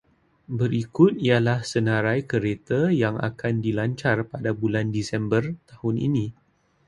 Berikut ialah senarai kereta yang akan dilancar pada bulan Disember tahun ini.